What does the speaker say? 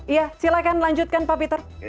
ya silakan lanjutkan pak peter